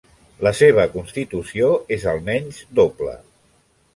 La seva constitució és almenys doble.